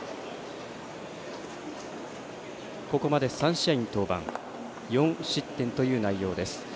ここまで３試合に登板４失点という内容です。